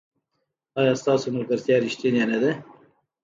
ایا ستاسو ملګرتیا ریښتینې نه ده؟